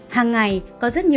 hàng ngày có rất nhiều thông tin